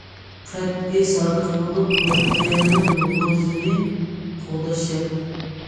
قەتئىي سادىق بولۇپ، پارتىيەنىڭ نوپۇزىنى قوغداش شەرت.